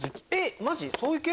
マジ⁉そういう系？